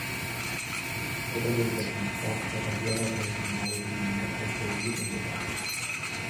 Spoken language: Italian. Secondo il saggista, la carriera trentennale di Lin può essere divisa in due fasi.